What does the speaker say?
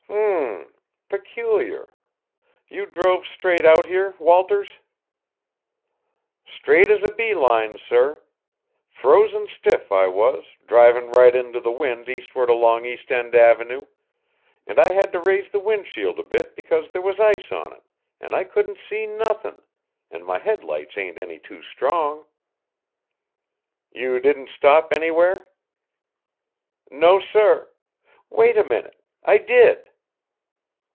"H m! Peculiar. You drove straight out here, Walters?" "Straight as a bee line, sir. Frozen stiff, I was, drivin' right into the wind eastward along East End Avenue, and I had to raise the windshield a bit because there was ice on it and I couldn't see nothin' an' my headlights ain't any too strong." "You didn't stop anywhere?" "No, sir. Wait a minute I did!"